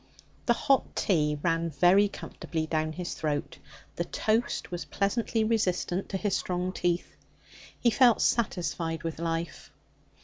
The hot tea ran very comfortably down his throat; the toast was pleasantly resistant to his strong teeth. He felt satisfied with life.